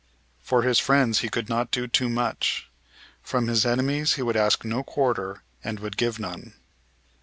For his friends he could not do too much. From his enemies he would ask no quarter and would give none.